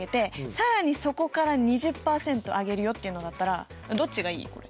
そこから２０％上げるよっていうのだったらどっちがいい？これ。